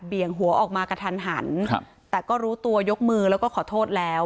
ี่ยงหัวออกมากระทันหันครับแต่ก็รู้ตัวยกมือแล้วก็ขอโทษแล้ว